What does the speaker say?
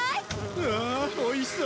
うわあおいしそう！